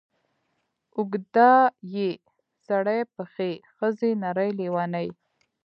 اوږده ې سړې پښې ښځې نرې لېونې